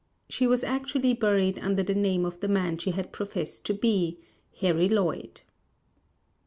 She was actually buried under the name of the man she had professed to be, Harry Lloyd.